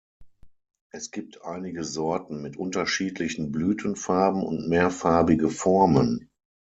Es gibt einige Sorten mit unterschiedlichen Blütenfarben und mehrfarbige Formen.